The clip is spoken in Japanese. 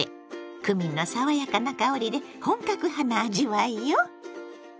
クミンの爽やかな香りで本格派な味わいよ。